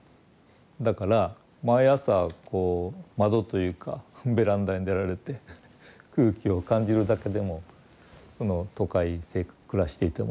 だから毎朝こう窓というかベランダに出られて空気を感じるだけでもその都会暮らしていてもですね